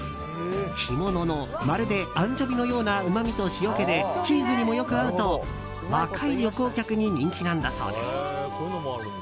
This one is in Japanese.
干物のまるでアンチョビのようなうまみと塩気でチーズにもよく合うと若い旅行客に人気なんだそうです。